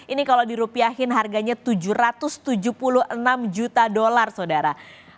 ini kalau dirupiahin harganya tujuh ratus tujuh puluh enam juta dolar saudara